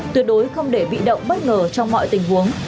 tuyệt đối không để bị động bất ngờ trong mọi tình huống